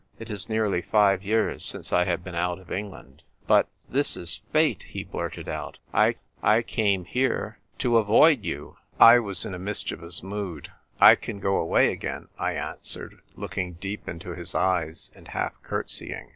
It is nearly five years since I have been out of England." " But — this is fate !" he blurted out. " I — I came here — to avoid you." I was in a mischievous mood. " I can go away again," I answered, looking deep into his eyes, and half curtseying.